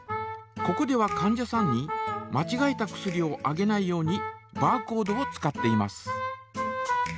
ここではかん者さんにまちがえた薬をあげないようにバーコードを使っています。